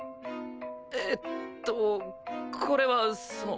えっとこれはその。